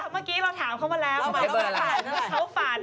เมื่อกี้เราถามเค้ามาแล้วเค้าฝัน